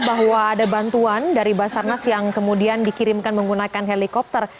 bahwa ada bantuan dari basarnas yang kemudian dikirimkan menggunakan helikopter